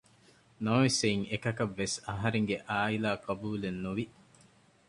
ނަމަވެސް އެއިން އެކަކަށްވެސް އަހަރެންގެ އާއިލާ ޤަބޫލެއް ނުވި